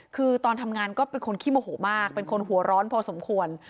คือตอนทำงานก็เป็นคนขี้โมโหมากเป็นคนหัวร้อนพอสมควร